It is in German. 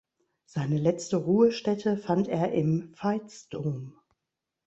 Seine letzte Ruhestätte fand er im Veitsdom.